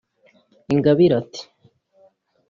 Ingabire ati